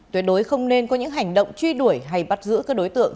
tuyệt đối không nên có những hành động truy đuổi hay bắt giữ các đối tượng